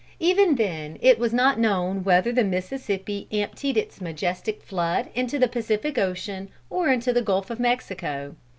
Even then it was not known whether the Mississippi emptied its majestic flood into the Pacific Ocean or into the Gulf of Mexico.